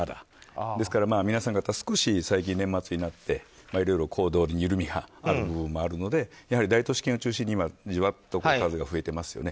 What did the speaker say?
ですから、皆さん方少し年末になっていろいろ行動に緩みがあるにはあるのでやはり、大都市圏を中心にじわっと風が吹いてますよね。